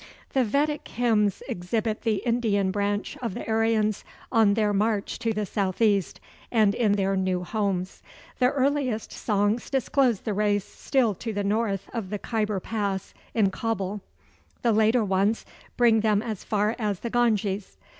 The Vedic hymns exhibit the Indian branch of the Aryans on their march to the southeast, and in their new homes. The earliest songs disclose the race still to the north of the Khaibar pass, in Kabul; the later ones bring them as far as the Ganges.